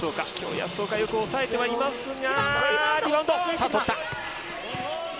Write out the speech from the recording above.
保岡がよく抑えていますが。